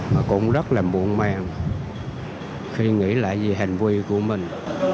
mà cũng rất là buồn man khi nghĩ lại về hành vi của mình